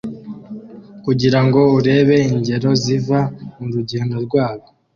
kugirango urebe ingero ziva murugendo rwabo